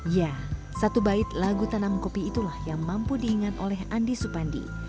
ya satu bait lagu tanam kopi itulah yang mampu diingat oleh andi supandi